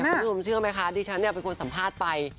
คุณผู้ชมเชื่อไหมคะดิฉันเป็นคนสัมภาษณ์ไป